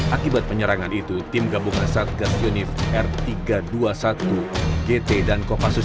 akibat penyerangan itu tim gabungan satgas yunif r tiga ratus dua puluh satu gt dan kopassus